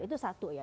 itu satu ya